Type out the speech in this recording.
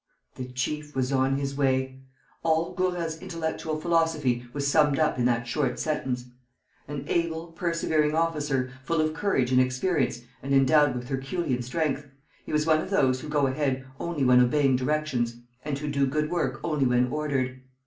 The chief was on his way! All Gourel's intellectual philosophy was summed up in that short sentence. An able, persevering officer, full of courage and experience and endowed with Herculean strength, he was one of those who go ahead only when obeying directions and who do good work only when ordered.